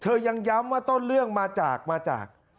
ยังย้ำว่าต้นเรื่องมาจากมาจาก